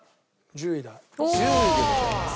１０位でございます。